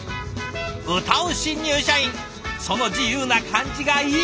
歌う新入社員その自由な感じがいい！